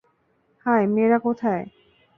High, আর মেয়েরা কোথায়?